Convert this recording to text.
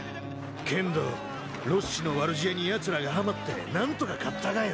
けんどロッシの悪知恵にやつらがはまって何とか勝ったがよ。